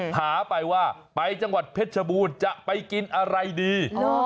ถามไปว่าไปจังหวัดเพชรชบูรณ์จะไปกินอะไรดี